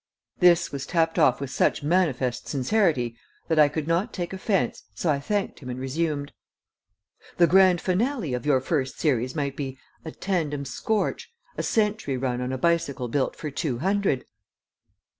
This was tapped off with such manifest sincerity that I could not take offence, so I thanked him and resumed. "The grand finale of your first series might be 'A Tandem Scorch: A Century Run on a Bicycle Built for Two Hundred!'"